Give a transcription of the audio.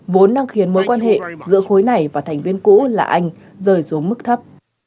vốn đang khiến mối quan hệ giữa khối này và thành viên cũ là anh rời xuống mức thấp